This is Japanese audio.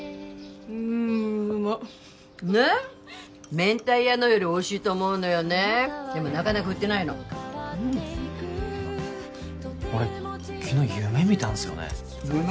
めんたい屋のよりおいしいと思うのよねでもなかなか売ってないのあっ俺昨日夢見たんすよね夢？